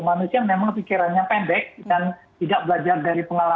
manusia memang pikirannya pendek dan tidak belajar dari pengalaman